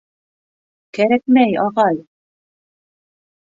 Кәрәкмәй, ағай...